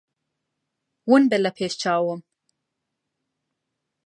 ون بە لە پێش چاوم.